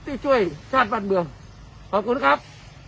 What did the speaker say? ที่ช่วยชาติบ้านเมืองขอบคุณครับ